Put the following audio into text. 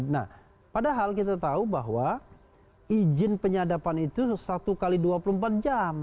nah padahal kita tahu bahwa izin penyadapan itu satu x dua puluh empat jam